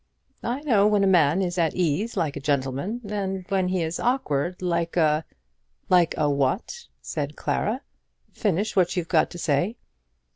"I know when a man is at ease like a gentleman, and when he is awkward like a " "Like a what?" said Clara. "Finish what you've got to say."